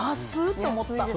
て思った。